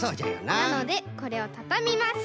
なのでこれをたたみます。